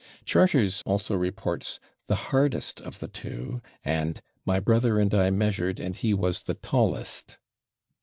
Charters also reports "the /hardest/ of the two" and "my brother and I measured and he was the /tallest